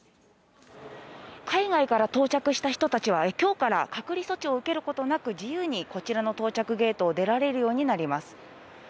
海外から到着した人たちは、今日から隔離措置を受けることなく、自由にこちらの到着ゲートを出られるようになります。